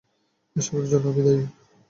এসবের জন্য আমি দায়ী।